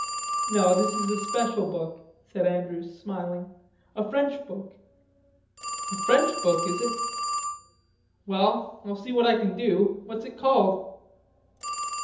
"No.... This is a special book," said Andrews smiling, "a French book." "A French book, is it? Well, I'll see what I can do. What's it called?"